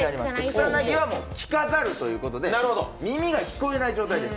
草薙は聞かざるということで耳が聞こえない状態です。